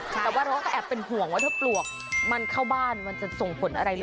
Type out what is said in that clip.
แต่ว่าเราก็แอบเป็นห่วงว่าถ้าปลวกมันเข้าบ้านมันจะส่งผลอะไรหรือเปล่า